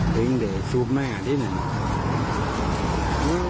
น้องเชอรี่ค่ะ